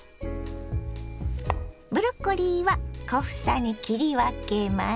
ブロッコリーは小房に切り分けます。